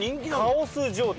カオス状態。